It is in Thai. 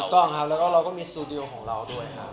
ต้องครับแล้วก็เราก็มีสตูดิโอของเราด้วยครับ